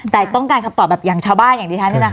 แต่ต้องการคำตอบแบบอย่างชาวบ้านอย่างดิฉันเนี่ยนะคะ